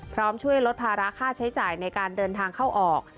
พร้อมช่วยลดภาระค่าใช้จ่ายในการเดินทางเข้าออก